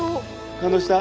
感動した？